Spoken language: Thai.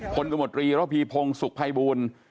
หลังจากที่ควบคุมตัวคนร้ายได้รองับเหตุ